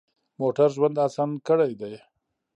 موټر ژوند اسان کړی دی.